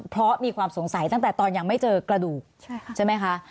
เพราะมีความสงสัยตั้งแต่ตอนยังไม่เจอกระดูกใช่ไหมคะ